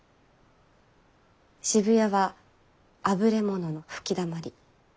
渋谷はあぶれ者の吹きだまり。